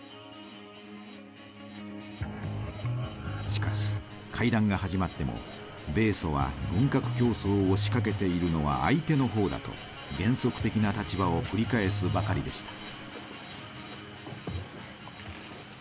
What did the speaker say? しかし会談が始まっても米ソは軍拡競争を仕掛けているのは相手の方だと原則的な立場を繰り返すばかりでした。